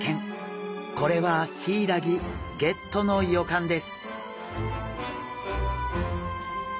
これはヒイラギゲットの予感です！